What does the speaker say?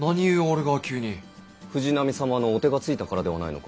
藤波様のお手がついたからではないのか？